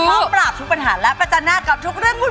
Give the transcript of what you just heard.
พร้อมปราบทุกปัญหาและประจันหน้ากับทุกเรื่องวุ่น